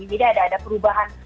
jadi ada perubahan